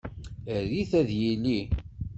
Err-it ad yili.